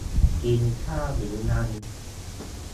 กินข้าวหรือยัง